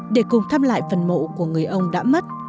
để cùng thăm lại phần mộ của người ông đã mất